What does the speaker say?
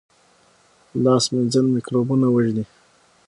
لاس مینځل مکروبونه وژني